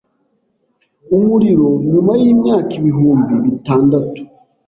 umuriro nyuma yimyaka ibihumbi bitandatu